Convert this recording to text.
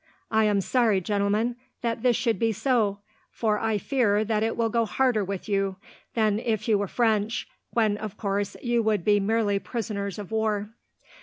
"I am sorry, gentlemen, that this should be so, for I fear that it will go harder with you than if you were French, when, of course, you would be merely prisoners of war."